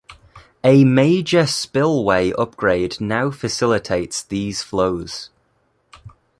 A major spillway upgrade now facilitates these flows.